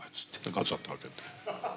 ガチャッと開けて。